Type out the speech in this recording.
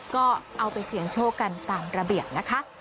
ก็เอาไปเสี่ยงโชคกันตามระเบียบนะคะ